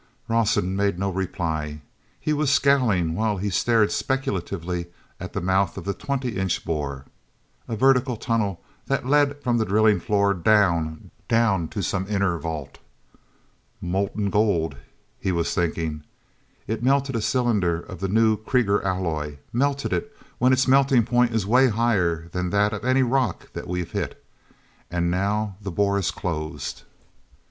awson made no reply. He was scowling while he stared speculatively at the mouth of the twenty inch bore—a vertical tunnel that led from the drilling floor down, down to some inner vault. "Molten gold," he was thinking. "It melted a cylinder of the new Krieger alloy—melted it when its melting point is way higher than that of any rock that we've hit. And now the bore is closed...."